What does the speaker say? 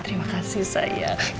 terima kasih sayang